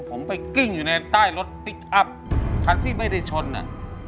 ผมไปกิ้งอยู่ในใต้รถพลิกอัพคันที่ไม่ได้ชนอ่ะ